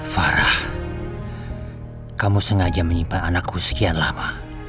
farah kamu sengaja menyimpan anakku sekian lama